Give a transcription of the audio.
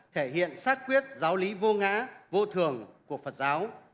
thể hiện xác quyết giáo lý vô ngã vô thường của phật giáo